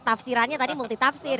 tafsirannya tadi multi tafsir